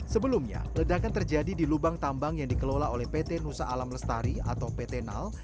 sebelumnya ledakan terjadi di lubang tambang yang dikelola oleh pt nusa alam lestari atau pt nal